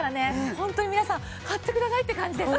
ホントに皆さん買ってくださいって感じです。